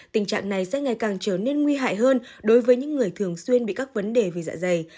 tình trạng này sẽ ngày càng trở nên nguy hại hơn đối với những người thường xuyên bị các vấn đề về dạ dày